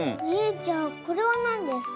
じゃあこれはなんですか？